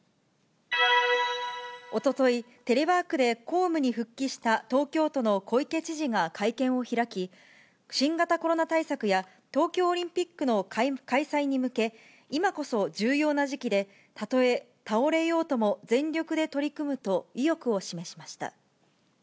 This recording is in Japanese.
おととい、テレワークで公務に復帰した東京都の小池知事が会見を開き、新型コロナ対策や東京オリンピックの開催に向け、今こそ重要な時期で、たとえ倒れようとも全力で取り組むと、意欲を示しました。